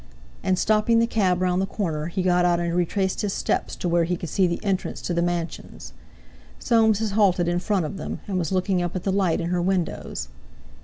And, stopping the cab round the corner, he got out and retraced his steps to where he could see the entrance to the mansions. Soames had halted in front of them, and was looking up at the light in her windows.